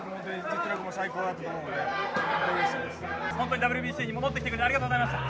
ＷＢＣに戻ってきてくれて、ありがとうございました。